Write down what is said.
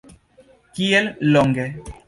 Kiel longe?